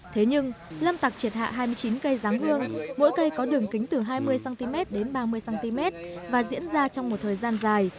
thế nhưng lâm tặc triệt hạ hai mươi chín cây giáng hương mỗi cây có đường kính từ hai mươi cm đến ba mươi cm và diễn ra trong một thời gian dài